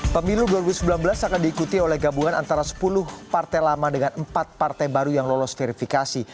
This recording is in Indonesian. pemilu dua ribu sembilan belas akan diikuti oleh gabungan antara sepuluh partai lama dengan empat partai baru yang lolos verifikasi